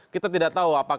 kita tidak tahu apa